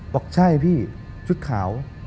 บอกใช่พี่ชุดขาว